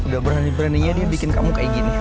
udah berani beraninya dia bikin kamu kayak gini